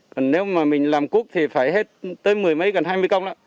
còn nếu mà mình làm cút thì phải hết tới mười mấy gần hai mươi công đó